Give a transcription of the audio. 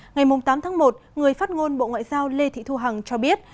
ngày tám tháng một người phát ngôn bộ ngoại giao lê thị thu hằng cho biết